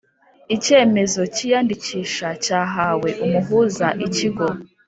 icyemezo cy iyandikisha cyahawe umuhuza Ikigo